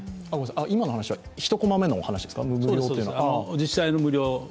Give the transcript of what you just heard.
今の話は１コマ目のお話ですね。